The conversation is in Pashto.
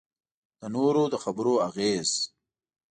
د نورو د خبرو اغېز.